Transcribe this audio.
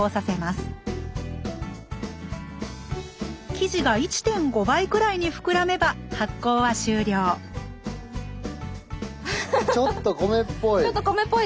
生地が１．５倍くらいに膨らめば発酵は終了ちょっと米っぽい。